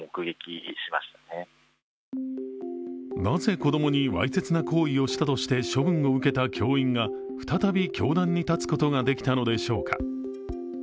なぜ、子供にわいせつな行為をしたとして処分を受けた教員が再び教壇に立つことができたのでしょうか。